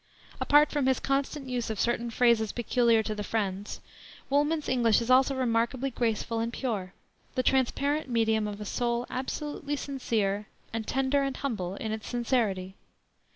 Apart from his constant use of certain phrases peculiar to the Friends, Woolman's English is also remarkably graceful and pure, the transparent medium of a soul absolutely sincere, and tender and humble in its sincerity.